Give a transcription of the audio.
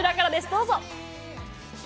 どうぞ。